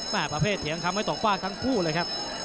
ประเภทเถียงคำไม่ตกฟาดทั้งคู่เลยครับ